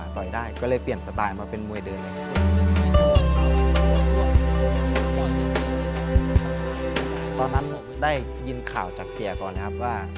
ตอนนั้นได้ยินข่าวจากเสียก่อนนะครับว่า